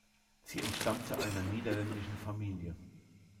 Sie entstammte einer niederländischen Familie.